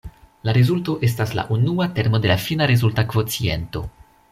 La rezulto estas la unua termo de la fina rezulta kvociento.